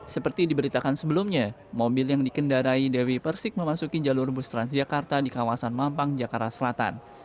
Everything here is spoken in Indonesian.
seperti diberitakan sebelumnya mobil yang dikendarai dewi persik memasuki jalur bus transjakarta di kawasan mampang jakarta selatan